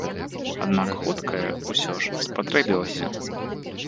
Аднак хуткая ўсё ж спатрэбілася.